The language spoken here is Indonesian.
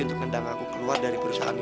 untuk hendak aku keluar dari perusahaan ini